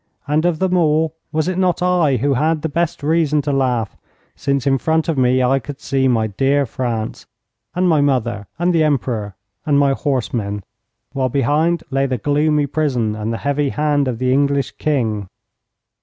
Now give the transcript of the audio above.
And of them all was it not I who had the best reason to laugh, since in front of me I could see my dear France, and my mother, and the Emperor, and my horsemen; while behind lay the gloomy prison, and the heavy hand of the English King?